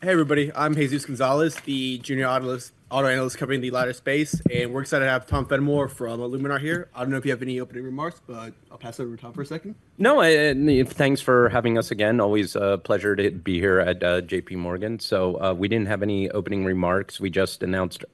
Hey, everybody, I'm Jesus Gonzales, the junior analyst, auto analyst covering the LiDAR space, and we're excited to have Tom Fenimore from Luminar here. I don't know if you have any opening remarks, but I'll pass it over to Tom for a second. No, and thanks for having us again. Always, pleasure to be here at J.P. Morgan. So, we didn't have any opening remarks. We just announced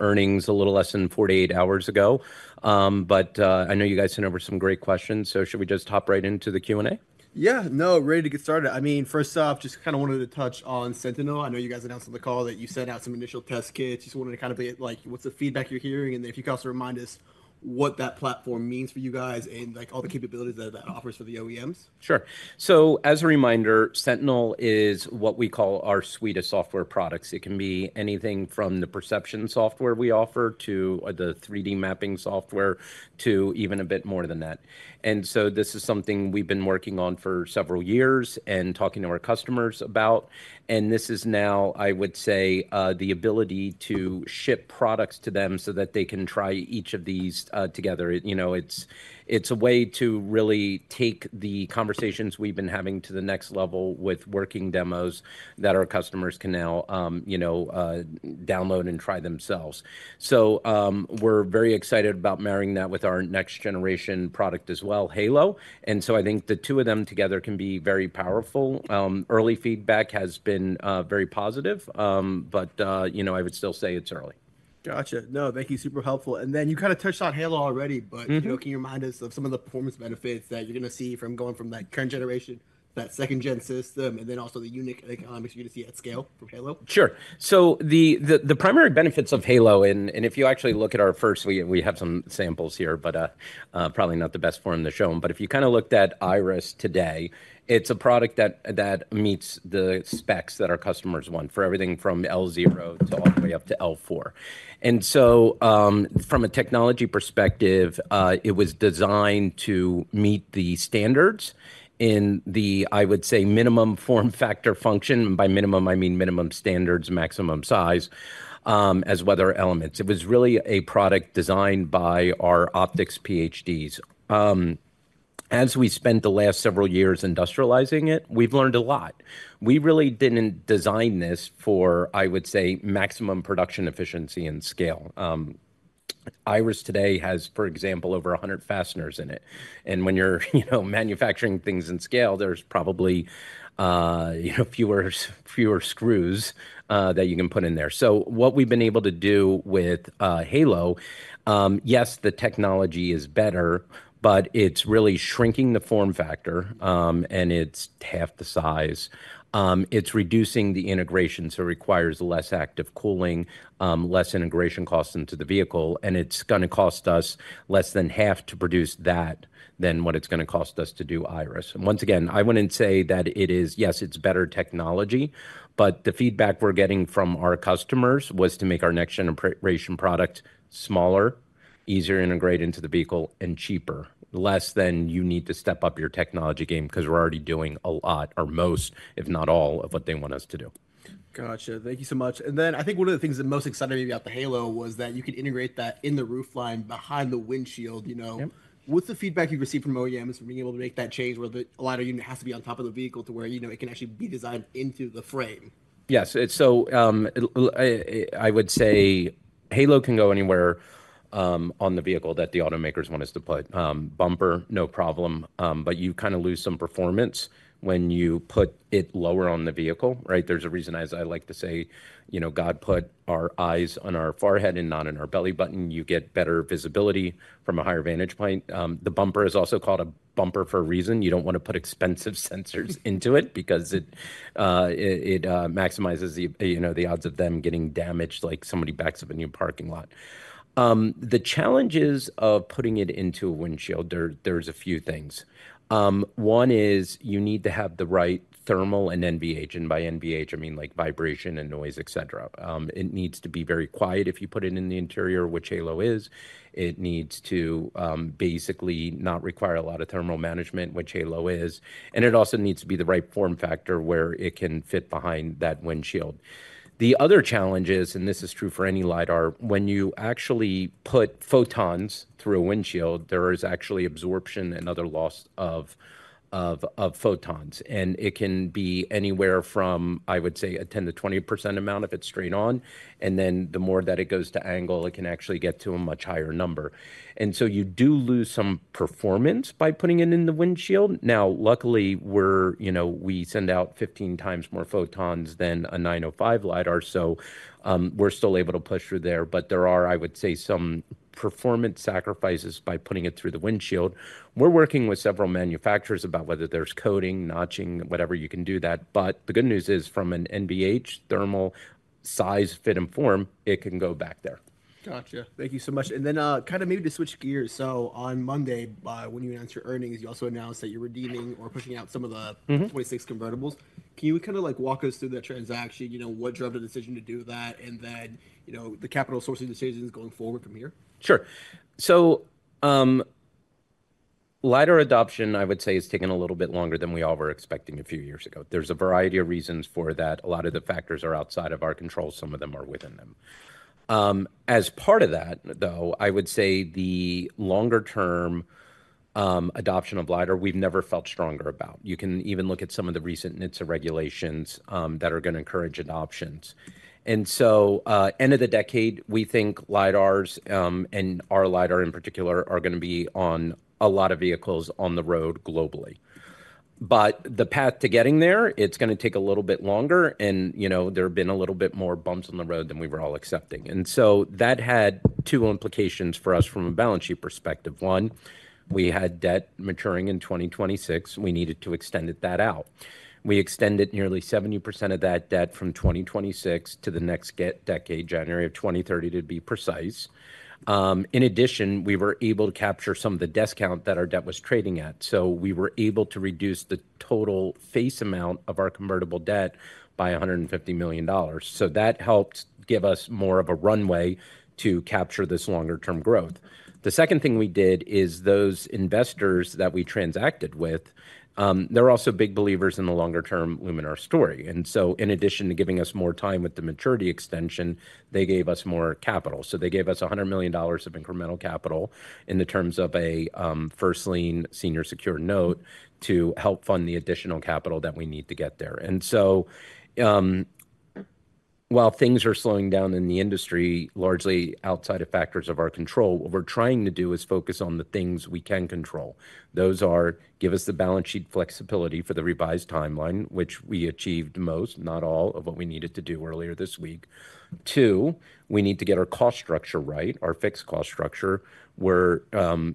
earnings a little less than 48 hours ago. But, I know you guys sent over some great questions, so should we just hop right into the Q&A? Yeah, no, ready to get started. I mean, first off, just kind of wanted to touch on Sentinel. I know you guys announced on the call that you sent out some initial test kits. Just wondering, kind of, like, what's the feedback you're hearing, and if you can also remind us what that platform means for you guys and, like, all the capabilities that that offers for the OEMs? Sure. So as a reminder, Sentinel is what we call our suite of software products. It can be anything from the perception software we offer to the 3D mapping software to even a bit more than that. And so this is something we've been working on for several years and talking to our customers about, and this is now, I would say, the ability to ship products to them so that they can try each of these together. You know, it's a way to really take the conversations we've been having to the next level with working demos that our customers can now download and try themselves. So, we're very excited about marrying that with our next generation product as well, Halo, and so I think the two of them together can be very powerful. Early feedback has been very positive, but you know, I would still say it's early. Gotcha. No, thank you. Super helpful. And then you kind of touched on Halo already- Mm-hmm. But, you know, can you remind us of some of the performance benefits that you're gonna see from going from that current generation, that second gen system, and then also the unique economics you're gonna see at scale from Halo? Sure. So the primary benefits of Halo, and if you actually look at our first, we have some samples here, but probably not the best forum to show them. But if you kind of looked at Iris today, it's a product that meets the specs that our customers want for everything from L0 to all the way up to L4. And so, from a technology perspective, it was designed to meet the standards in the, I would say, minimum form factor function. By minimum, I mean minimum standards, maximum size, as weather elements. It was really a product designed by our optics PhDs. As we spent the last several years industrializing it, we've learned a lot. We really didn't design this for, I would say, maximum production efficiency and scale. Iris today has, for example, over 100 fasteners in it, and when you're, you know, manufacturing things in scale, there's probably, you know, fewer screws that you can put in there. So what we've been able to do with Halo, yes, the technology is better, but it's really shrinking the form factor, and it's half the size. It's reducing the integration, so requires less active cooling, less integration costs into the vehicle, and it's gonna cost us less than half to produce that than what it's gonna cost us to do Iris. And once again, I wouldn't say that it is... Yes, it's better technology, but the feedback we're getting from our customers was to make our next generation product smaller, easier to integrate into the vehicle, and cheaper, less than you need to step up your technology game because we're already doing a lot or most, if not all, of what they want us to do. Gotcha. Thank you so much. And then I think one of the things that most excited me about the Halo was that you could integrate that in the roofline behind the windshield, you know. Yep. What's the feedback you've received from OEMs from being able to make that change, where the LiDAR unit has to be on top of the vehicle to where, you know, it can actually be designed into the frame? Yes. So, I would say Halo can go anywhere on the vehicle that the automakers want us to put. Bumper, no problem, but you kind of lose some performance when you put it lower on the vehicle, right? There's a reason, as I like to say, you know, God put our eyes on our forehead and not on our belly button. You get better visibility from a higher vantage point. The bumper is also called a bumper for a reason. You don't want to put expensive sensors into it because it maximizes the, you know, the odds of them getting damaged, like somebody backs up a new parking lot. The challenges of putting it into a windshield, there's a few things. One is you need to have the right thermal and NVH, and by NVH, I mean, like, vibration and noise, et cetera. It needs to be very quiet if you put it in the interior, which Halo is. It needs to basically not require a lot of thermal management, which Halo is, and it also needs to be the right form factor where it can fit behind that windshield. The other challenge is, and this is true for any LiDAR, when you actually put photons through a windshield, there is actually absorption and other loss of photons, and it can be anywhere from, I would say, a 10%-20% amount if it's straight on, and then the more that it goes to angle, it can actually get to a much higher number. And so you do lose some performance by putting it in the windshield. Now, luckily, we're, you know, we send out 15 times more photons than a 905 LiDAR, so, we're still able to push through there, but there are, I would say, some performance sacrifices by putting it through the windshield. We're working with several manufacturers about whether there's coating, notching, whatever you can do that, but the good news is, from an NVH, thermal, size, fit, and form, it can go back there. Gotcha. Thank you so much. And then, kind of maybe to switch gears, so on Monday, when you announced your earnings, you also announced that you're redeeming or pushing out some of the- Mm-hmm... 2026 convertibles. Can you kind of, like, walk us through that transaction? You know, what drove the decision to do that, and then, you know, the capital sourcing decisions going forward from here? Sure. So, LiDAR adoption, I would say, has taken a little bit longer than we all were expecting a few years ago. There's a variety of reasons for that. A lot of the factors are outside of our control, some of them are within them. As part of that, though, I would say the longer-term adoption of LiDAR, we've never felt stronger about. You can even look at some of the recent NHTSA regulations that are gonna encourage adoptions. And so, end of the decade, we think LiDARs and our LiDAR in particular, are gonna be on a lot of vehicles on the road globally. But the path to getting there, it's gonna take a little bit longer, and, you know, there have been a little bit more bumps in the road than we were all accepting. And so that had two implications for us from a balance sheet perspective. One, we had debt maturing in 2026, we needed to extend it out. We extended nearly 70% of that debt from 2026 to the next decade, January of 2030, to be precise. In addition, we were able to capture some of the discount that our debt was trading at. So we were able to reduce the total face amount of our convertible debt by $150 million. So that helped give us more of a runway to capture this longer term growth. The second thing we did is, those investors that we transacted with, they're also big believers in the longer term Luminar story. And so in addition to giving us more time with the maturity extension, they gave us more capital. So they gave us $100 million of incremental capital in the terms of a first lien senior secured note to help fund the additional capital that we need to get there. And so, while things are slowing down in the industry, largely outside of factors of our control, what we're trying to do is focus on the things we can control. Those are, give us the balance sheet flexibility for the revised timeline, which we achieved most, not all, of what we needed to do earlier this week. Two, we need to get our cost structure right, our fixed cost structure, where,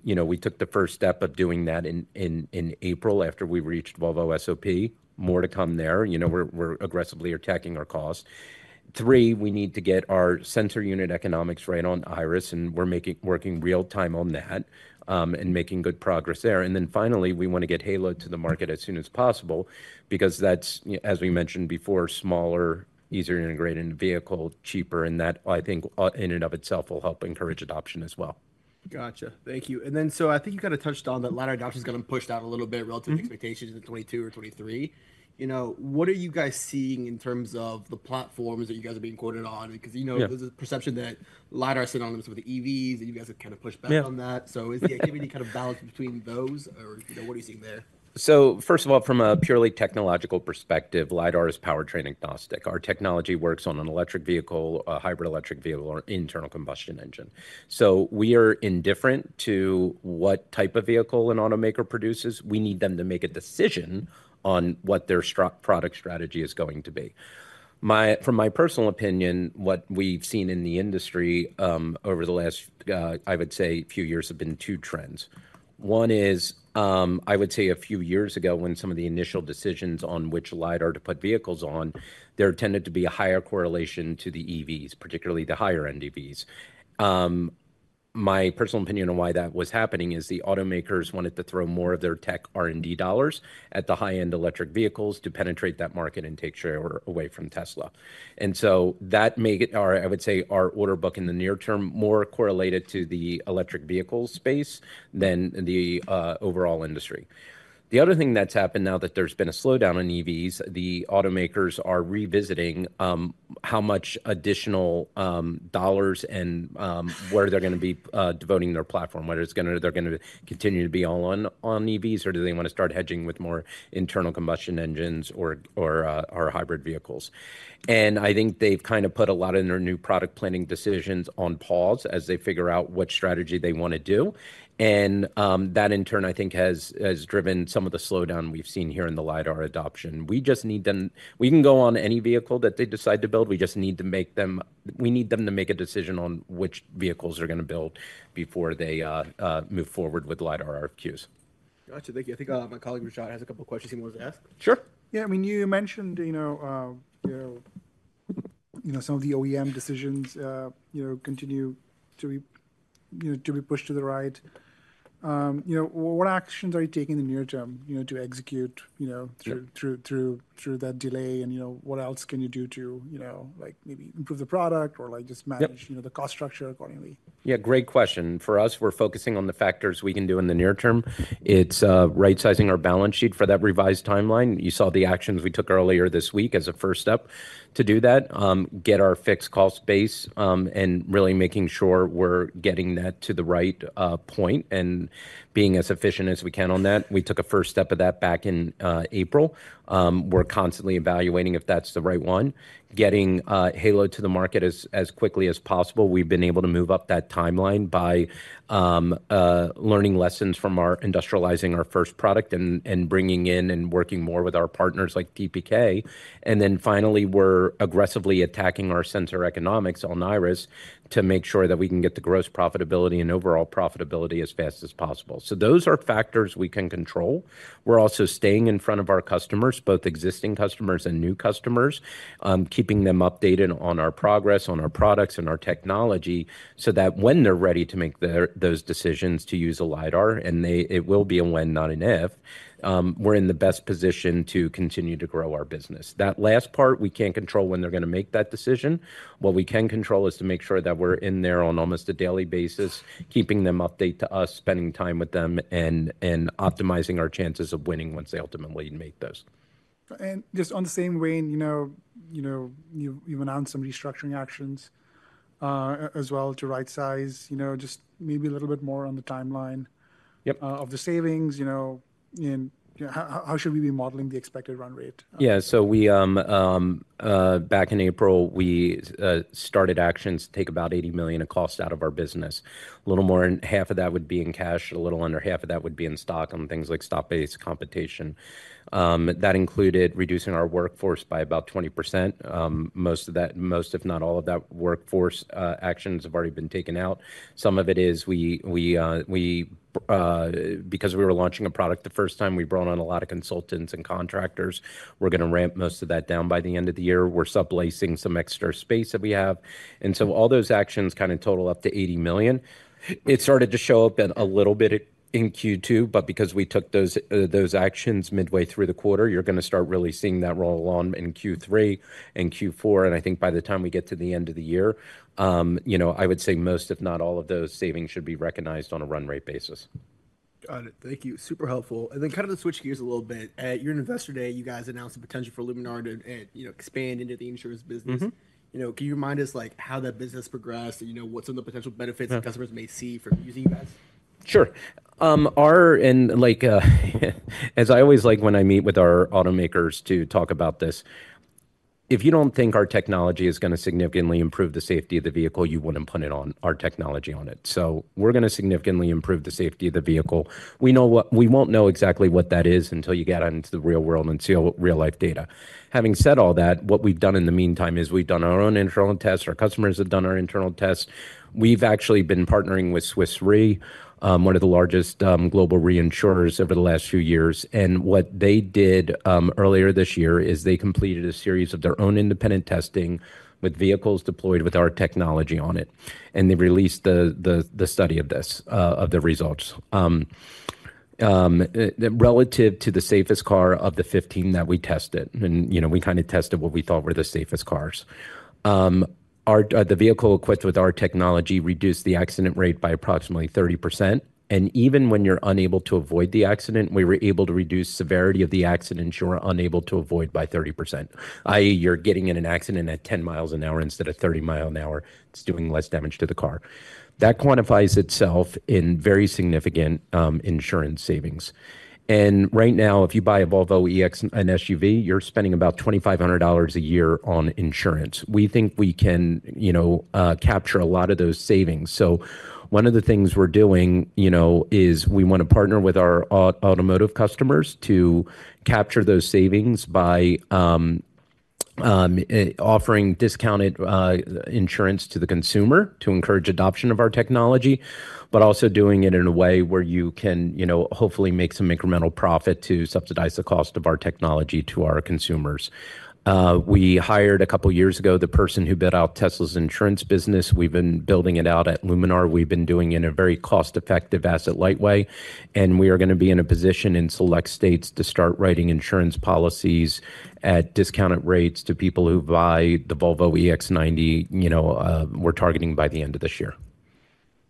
you know, we took the first step of doing that in April, after we reached Volvo SOP. More to come there. You know, we're aggressively attacking our costs. Three, we need to get our sensor unit economics right on Iris, and we're working real time on that, and making good progress there. And then finally, we wanna get Halo to the market as soon as possible, because that's, you know, as we mentioned before, smaller, easier to integrate into vehicle, cheaper, and that, I think, in and of itself, will help encourage adoption as well. Gotcha. Thank you. And then, so I think you kind of touched on that LiDAR adoption is getting pushed out a little bit- Mm-hmm... relative to expectations in 2022 or 2023. You know, what are you guys seeing in terms of the platforms that you guys are being quoted on? Because, you know- Yeah... there's a perception that LiDAR is synonymous with EVs, and you guys have kind of pushed back on that. Yeah. Is there any kind of balance between those, or, you know, what are you seeing there? So first of all, from a purely technological perspective, LiDAR is powertrain-agnostic. Our technology works on an electric vehicle, a hybrid electric vehicle, or an internal combustion engine. So we are indifferent to what type of vehicle an automaker produces. We need them to make a decision on what their product strategy is going to be. From my personal opinion, what we've seen in the industry, over the last, I would say few years, have been two trends. One is, I would say a few years ago, when some of the initial decisions on which LiDAR to put vehicles on, there tended to be a higher correlation to the EVs, particularly the higher-end EVs. My personal opinion on why that was happening is the automakers wanted to throw more of their tech R&D dollars at the high-end electric vehicles to penetrate that market and take share order away from Tesla. And so that make it our... I would say, our order book in the near term, more correlated to the electric vehicle space than the, overall industry. The other thing that's happened now that there's been a slowdown in EVs, the automakers are revisiting how much additional dollars and where they're gonna be devoting their platform, whether they're gonna continue to be all on, on EVs, or do they wanna start hedging with more internal combustion engines or, or hybrid vehicles. I think they've kind of put a lot of their new product planning decisions on pause as they figure out what strategy they wanna do. And that in turn, I think has driven some of the slowdown we've seen here in the LiDAR adoption. We just need them—we can go on any vehicle that they decide to build, we just need them to make a decision on which vehicles they're gonna build before they move forward with LiDAR RFQs. Gotcha. Thank you. I think, my colleague, Rajat, has a couple of questions he wanted to ask. Sure. Yeah, I mean, you mentioned, you know, some of the OEM decisions, you know, continue to be, you know, to be pushed to the right. You know, what actions are you taking in the near term, you know, to execute, you know- Sure... through that delay, and, you know, what else can you do to, you know, like, maybe improve the product or, like, just manage- Yep... you know, the cost structure accordingly? Yeah, great question. For us, we're focusing on the factors we can do in the near term. It's right-sizing our balance sheet for that revised timeline. You saw the actions we took earlier this week as a first step to do that. Get our fixed cost base, and really making sure we're getting that to the right point, and being as efficient as we can on that. We took a first step of that back in April. We're constantly evaluating if that's the right one, getting Halo to the market as quickly as possible. We've been able to move up that timeline by learning lessons from our industrializing our first product and bringing in and working more with our partners like TPK. And then finally, we're aggressively attacking our sensor economics on Iris to make sure that we can get the gross profitability and overall profitability as fast as possible. So those are factors we can control. We're also staying in front of our customers, both existing customers and new customers, keeping them updated on our progress, on our products, and our technology, so that when they're ready to make their, those decisions to use a LiDAR, it will be a when, not an if, we're in the best position to continue to grow our business. That last part, we can't control when they're gonna make that decision. What we can control is to make sure that we're in there on almost a daily basis, keeping them updated on us, spending time with them, and optimizing our chances of winning once they ultimately make those.... Just on the same vein, you know, you announced some restructuring actions as well to right-size. You know, just maybe a little bit more on the timeline- Yep. of the savings, you know, and how should we be modeling the expected run rate? Yeah, so we back in April, we started actions to take about $80 million of cost out of our business. A little more than half of that would be in cash, a little under half of that would be in stock, on things like stock-based compensation. That included reducing our workforce by about 20%. Most of that, most, if not all of that workforce actions have already been taken out. Some of it is because we were launching a product the first time, we brought on a lot of consultants and contractors. We're gonna ramp most of that down by the end of the year. We're subleasing some extra space that we have. And so all those actions kind of total up to $80 million. It started to show up in a little bit in Q2, but because we took those, those actions midway through the quarter, you're gonna start really seeing that roll on in Q3 and Q4. And I think by the time we get to the end of the year, you know, I would say most, if not all of those savings, should be recognized on a run rate basis. Got it. Thank you. Super helpful. And then kind of to switch gears a little bit. At your investor day, you guys announced the potential for Luminar to, you know, expand into the insurance business. Mm-hmm. You know, can you remind us, like, how that business progressed? And, you know, what some of the potential benefits? Yeah customers may see from using you guys? Sure. And, like, as I always like when I meet with our automakers to talk about this, if you don't think our technology is gonna significantly improve the safety of the vehicle, you wouldn't put it on, our technology on it. So we're gonna significantly improve the safety of the vehicle. We know what we won't know exactly what that is until you get out into the real world and see real-life data. Having said all that, what we've done in the meantime is we've done our own internal tests, our customers have done our internal tests. We've actually been partnering with Swiss Re, one of the largest global reinsurers, over the last few years. What they did earlier this year is they completed a series of their own independent testing with vehicles deployed with our technology on it, and they released the study of this of the results. Relative to the safest car of the 15 that we tested, and, you know, we kind of tested what we thought were the safest cars, the vehicle equipped with our technology reduced the accident rate by approximately 30%. And even when you're unable to avoid the accident, we were able to reduce severity of the accidents you are unable to avoid by 30%, i.e., you're getting in an accident at 10 miles an hour instead of 30 miles an hour, it's doing less damage to the car. That quantifies itself in very significant insurance savings. Right now, if you buy a Volvo EX, an SUV, you're spending about $2,500 a year on insurance. We think we can, you know, capture a lot of those savings. So one of the things we're doing, you know, is we want to partner with our automotive customers to capture those savings by offering discounted insurance to the consumer to encourage adoption of our technology, but also doing it in a way where you can, you know, hopefully make some incremental profit to subsidize the cost of our technology to our consumers. We hired, a couple of years ago, the person who built out Tesla's insurance business. We've been building it out at Luminar. We've been doing it in a very cost-effective, asset-light way, and we are gonna be in a position in select states to start writing insurance policies at discounted rates to people who buy the Volvo EX90. You know, we're targeting by the end of this year.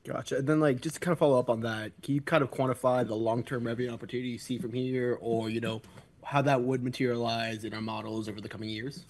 Gotcha. And then, like, just to kind of follow up on that, can you kind of quantify the long-term revenue opportunity you see from here, or you know, how that would materialize in our models over the coming years?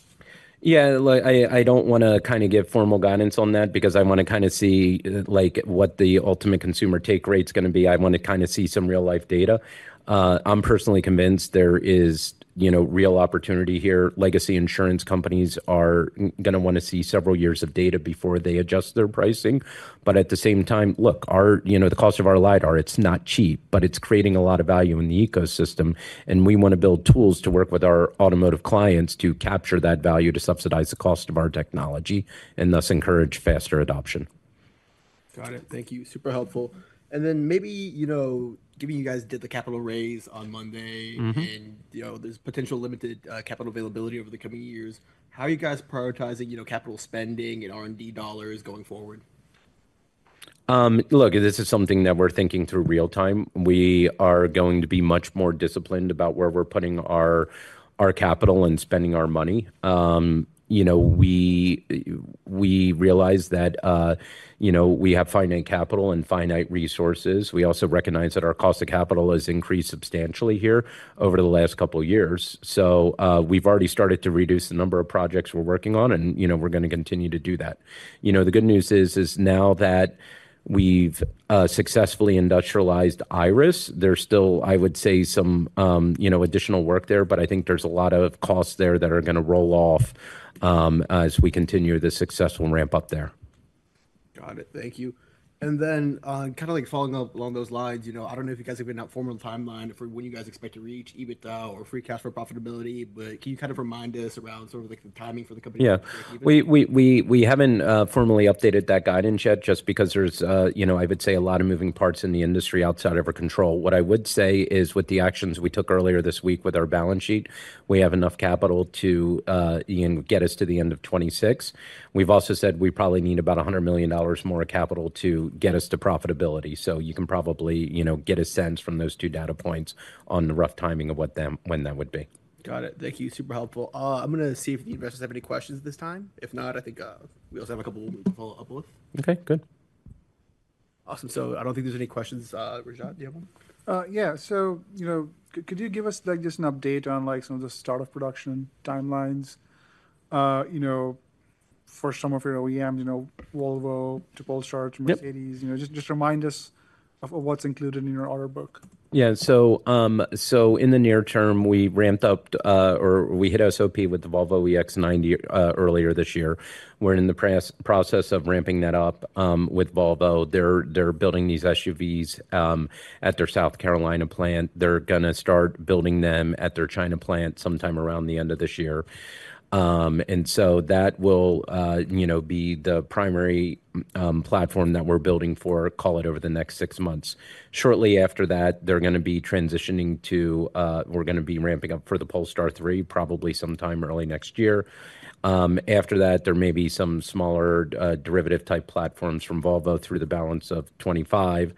Yeah, look, I don't wanna kind of give formal guidance on that because I wanna kind of see, like, what the ultimate consumer take rate's gonna be. I want to kind of see some real-life data. I'm personally convinced there is, you know, real opportunity here. Legacy insurance companies are gonna wanna see several years of data before they adjust their pricing. But at the same time, look, our, you know, the cost of our LiDAR, it's not cheap, but it's creating a lot of value in the ecosystem, and we want to build tools to work with our automotive clients to capture that value, to subsidize the cost of our technology, and thus encourage faster adoption. Got it. Thank you. Super helpful. And then maybe, you know, given you guys did the capital raise on Monday- Mm-hmm... and, you know, there's potential limited capital availability over the coming years, how are you guys prioritizing, you know, capital spending and R&D dollars going forward? Look, this is something that we're thinking through real time. We are going to be much more disciplined about where we're putting our capital and spending our money. You know, we realize that, you know, we have finite capital and finite resources. We also recognize that our cost of capital has increased substantially here over the last couple of years. So, we've already started to reduce the number of projects we're working on, and, you know, we're gonna continue to do that. You know, the good news is now that we've successfully industrialized Iris, there's still, I would say, some, you know, additional work there, but I think there's a lot of costs there that are gonna roll off, as we continue the successful ramp-up there. Got it. Thank you. And then, kind of, like, following up along those lines, you know, I don't know if you guys have put out a formal timeline for when you guys expect to reach EBITDA or free cash flow profitability, but can you kind of remind us around sort of like the timing for the company? Yeah. We haven't formally updated that guidance yet just because there's, you know, I would say, a lot of moving parts in the industry outside of our control. What I would say is, with the actions we took earlier this week with our balance sheet, we have enough capital to, you know, get us to the end of 2026. We've also said we probably need about $100 million more capital to get us to profitability. So you can probably, you know, get a sense from those two data points on the rough timing of what them, when that would be. Got it. Thank you. Super helpful. I'm gonna see if the investors have any questions at this time. If not, I think, we also have a couple we can follow up with. Okay, good... Awesome. So I don't think there's any questions. Rajat, do you have one? So, you know, could you give us, like, just an update on, like, some of the start of production timelines, you know, for some of your OEMs, you know, Volvo to Polestar? Yep to Mercedes. You know, just remind us of what's included in your order book. Yeah. So, in the near term, we ramped up, or we hit SOP with the Volvo EX90, earlier this year. We're in the process of ramping that up, with Volvo. They're building these SUVs, at their South Carolina plant. They're gonna start building them at their China plant sometime around the end of this year. And so that will, you know, be the primary platform that we're building for, call it, over the next 6 months. Shortly after that, they're gonna be transitioning to-- we're gonna be ramping up for the Polestar 3, probably sometime early next year. After that, there may be some smaller, derivative-type platforms from Volvo through the balance of 2025.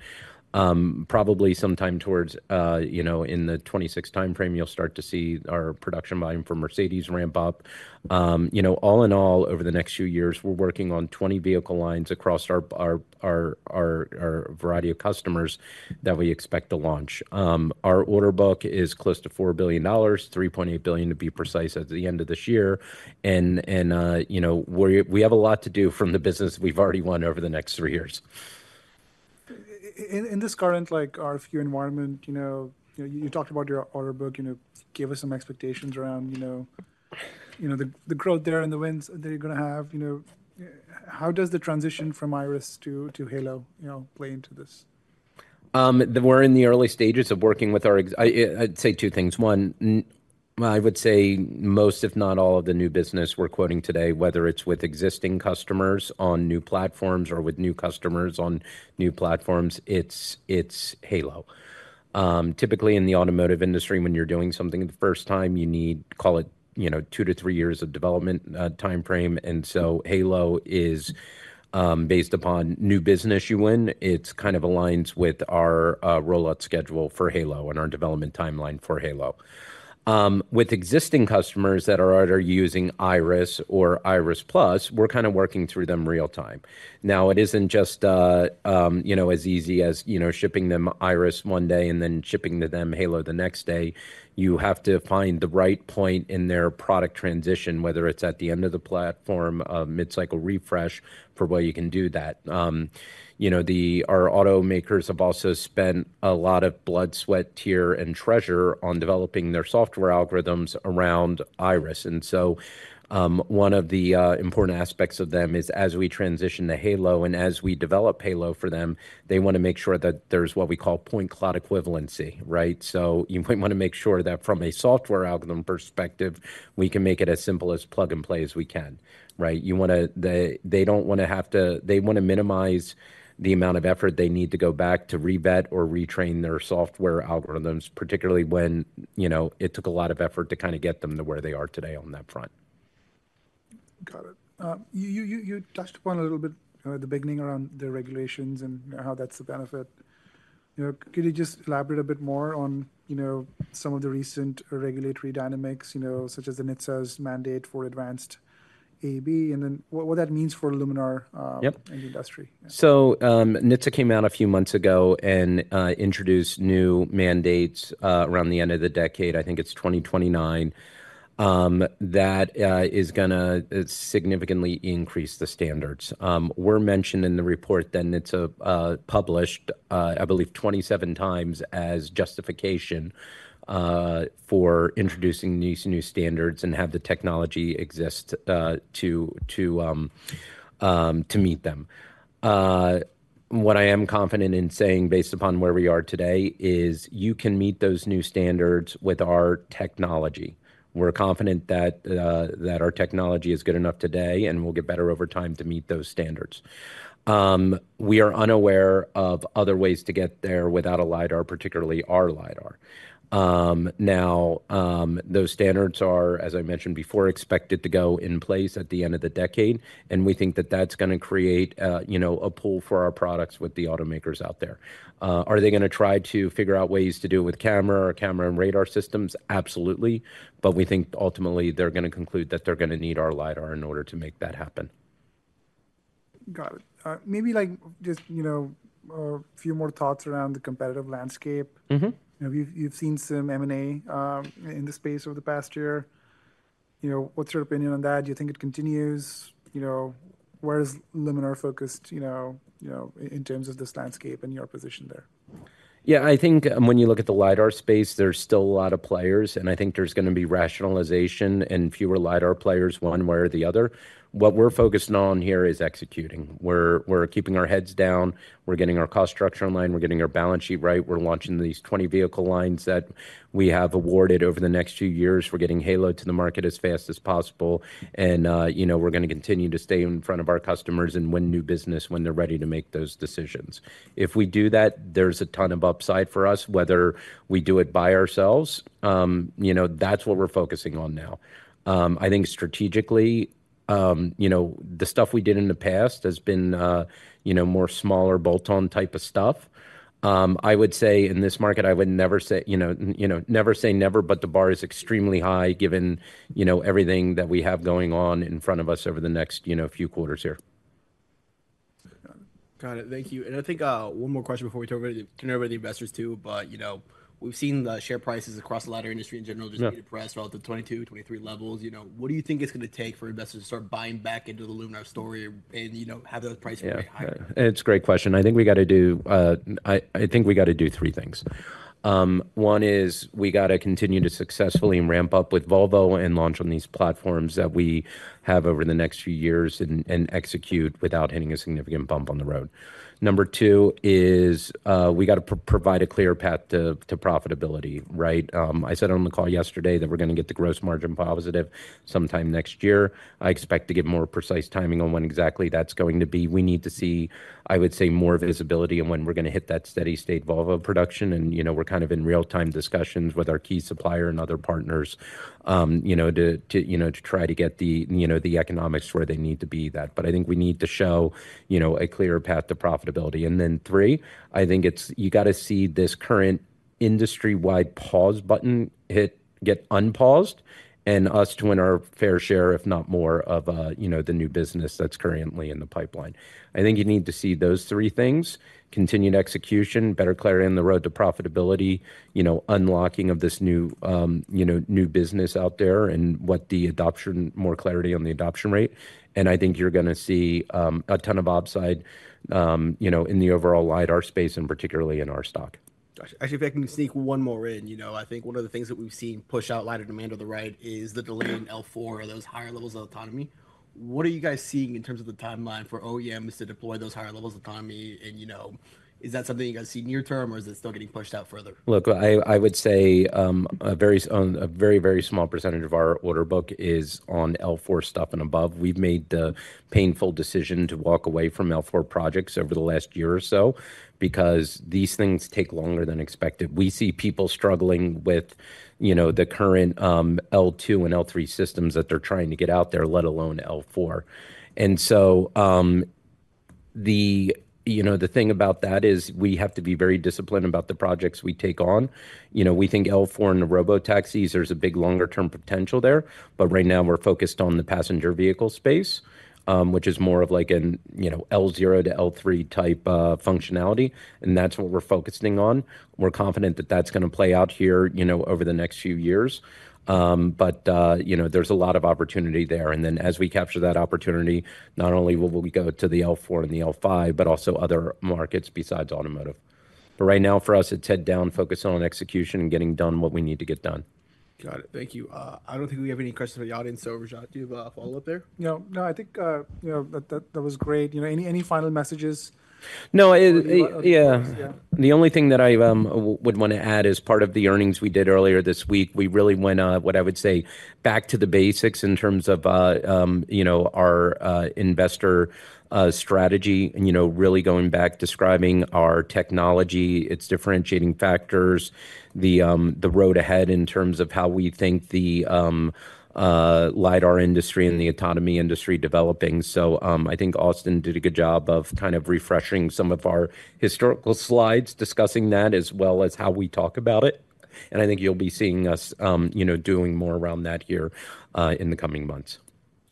Probably sometime towards, you know, in the 2026 timeframe, you'll start to see our production volume for Mercedes ramp up. You know, all in all, over the next few years, we're working on 20 vehicle lines across our variety of customers that we expect to launch. Our order book is close to $4 billion, $3.8 billion, to be precise, at the end of this year. You know, we have a lot to do from the business we've already won over the next three years. In this current, like, RFQ environment, you know, you know, you talked about your order book. You know, give us some expectations around, you know, you know, the, the growth there and the wins that you're gonna have. You know, how does the transition from Iris to, to Halo, you know, play into this? We're in the early stages of working with our existing. I'd say two things: One, I would say most, if not all, of the new business we're quoting today, whether it's with existing customers on new platforms or with new customers on new platforms, it's, it's Halo. Typically, in the automotive industry, when you're doing something the first time, you need, call it, you know, 2-3 years of development timeframe, and so Halo is based upon new business you win. It kind of aligns with our rollout schedule for Halo and our development timeline for Halo. With existing customers that are already using Iris or Iris+, we're kind of working through them real time. Now, it isn't just, you know, as easy as, you know, shipping them Iris one day and then shipping to them Halo the next day. You have to find the right point in their product transition, whether it's at the end of the platform, a mid-cycle refresh, for where you can do that. You know, our automakers have also spent a lot of blood, sweat, tear, and treasure on developing their software algorithms around Iris. And so, one of the, important aspects of them is, as we transition to Halo and as we develop Halo for them, they want to make sure that there's what we call point cloud equivalency, right? So you might want to make sure that from a software algorithm perspective, we can make it as simple as plug and play as we can, right? You wanna—they don't wanna have to... They want to minimize the amount of effort they need to go back to revert or retrain their software algorithms, particularly when, you know, it took a lot of effort to kind of get them to where they are today on that front. Got it. You touched upon a little bit at the beginning around the regulations and how that's the benefit. You know, could you just elaborate a bit more on, you know, some of the recent regulatory dynamics, you know, such as NHTSA's mandate for advanced AEB, and then what would that means for Luminar? Yep... and the industry? So, NHTSA came out a few months ago and introduced new mandates around the end of the decade, I think it's 2029, that is gonna significantly increase the standards. We're mentioned in the report that NHTSA published, I believe, 27 times as justification for introducing these new standards and have the technology exist to meet them. What I am confident in saying, based upon where we are today, is you can meet those new standards with our technology. We're confident that that our technology is good enough today and will get better over time to meet those standards. We are unaware of other ways to get there without a lidar, particularly our lidar. Now, those standards are, as I mentioned before, expected to go in place at the end of the decade, and we think that that's gonna create, you know, a pull for our products with the automakers out there. Are they gonna try to figure out ways to do it with camera or camera and radar systems? Absolutely. But we think ultimately they're gonna conclude that they're gonna need our LiDAR in order to make that happen. Got it. Maybe, like, just, you know, a few more thoughts around the competitive landscape. Mm-hmm. You know, you've seen some M&A in the space over the past year. You know, what's your opinion on that? Do you think it continues? You know, where is Luminar focused, you know, you know, in terms of this landscape and your position there? Yeah, I think when you look at the LiDAR space, there's still a lot of players, and I think there's gonna be rationalization and fewer LiDAR players, one way or the other. What we're focused on here is executing. We're, we're keeping our heads down. We're getting our cost structure in line. We're getting our balance sheet right. We're launching these 20 vehicle lines that we have awarded over the next few years. We're getting Halo to the market as fast as possible, and, you know, we're gonna continue to stay in front of our customers and win new business when they're ready to make those decisions. If we do that, there's a ton of upside for us, whether we do it by ourselves. You know, that's what we're focusing on now. I think strategically, you know, the stuff we did in the past has been, you know, more smaller, bolt-on type of stuff. I would say in this market, I would never say, you know, you know, never say never, but the bar is extremely high, given, you know, everything that we have going on in front of us over the next, you know, few quarters here.... Got it. Thank you. And I think, one more question before we turn over to, turn over to the investors, too. But, you know, we've seen the share prices across the LiDAR industry in general- Yeah just get depressed all to 2022-2023 levels, you know. What do you think it's gonna take for investors to start buying back into the Luminar story and, you know, have those prices get higher? Yeah. It's a great question. I think we got to do three things. One is we got to continue to successfully ramp up with Volvo and launch on these platforms that we have over the next few years and execute without hitting a significant bump on the road. Number two is we got to provide a clear path to profitability, right? I said on the call yesterday that we're gonna get the gross margin positive sometime next year. I expect to give more precise timing on when exactly that's going to be. We need to see, I would say, more visibility on when we're gonna hit that steady state Volvo production. You know, we're kind of in real-time discussions with our key supplier and other partners, you know, to try to get the, you know, the economics where they need to be that. But I think we need to show, you know, a clear path to profitability. And then three, I think it's you got to see this current industry-wide pause button hit, get unpaused, and us to win our fair share, if not more, of, you know, the new business that's currently in the pipeline. I think you need to see those three things: continued execution, better clarity on the road to profitability, you know, unlocking of this new, you know, new business out there and what the adoption more clarity on the adoption rate. I think you're gonna see a ton of upside, you know, in the overall LiDAR space and particularly in our stock. Gotcha. Actually, if I can sneak one more in. You know, I think one of the things that we've seen push out LiDAR demand to the right is the delay in L4 or those higher levels of autonomy. What are you guys seeing in terms of the timeline for OEMs to deploy those higher levels of autonomy? And, you know, is that something you guys see near term, or is it still getting pushed out further? Look, I, I would say, a very, a very, very small percentage of our order book is on L4 stuff and above. We've made the painful decision to walk away from L4 projects over the last year or so because these things take longer than expected. We see people struggling with, you know, the current, L2 and L3 systems that they're trying to get out there, let alone L4. And so, you know, the thing about that is we have to be very disciplined about the projects we take on. You know, we think L4 and the robotaxis, there's a big longer-term potential there, but right now we're focused on the passenger vehicle space, which is more of like an, you know, L0 to L3 type, functionality, and that's what we're focusing on. We're confident that that's gonna play out here, you know, over the next few years. But you know, there's a lot of opportunity there. And then, as we capture that opportunity, not only will we go to the L4 and the L5, but also other markets besides automotive. But right now, for us, it's head down, focused on execution and getting done what we need to get done. Got it. Thank you. I don't think we have any questions from the audience. So, Rajat, do you have a follow-up there? No. No, I think, you know, that, that, that was great. You know, any, any final messages? No, it- Yeah. Yeah. The only thing that I would want to add is part of the earnings we did earlier this week, we really went what I would say back to the basics in terms of you know our investor strategy. And you know really going back describing our technology, its differentiating factors, the the road ahead in terms of how we think the LiDAR industry and the autonomy industry developing. So I think Austin did a good job of kind of refreshing some of our historical slides, discussing that, as well as how we talk about it. And I think you'll be seeing us you know doing more around that here in the coming months.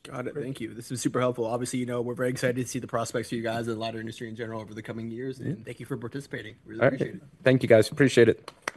Got it. Thank you. This was super helpful. Obviously, you know, we're very excited to see the prospects for you guys and the LiDAR industry in general over the coming years. Mm-hmm. Thank you for participating. All right. We really appreciate it. Thank you, guys. Appreciate it.